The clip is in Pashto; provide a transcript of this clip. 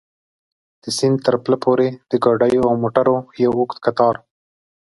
د سیند تر پله پورې د ګاډیو او موټرو یو اوږد کتار.